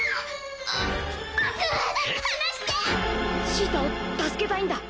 シータを助けたいんだ。